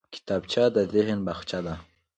کتابچه د ذهن باغچه ده